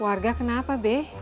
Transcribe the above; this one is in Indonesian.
warga kenapa be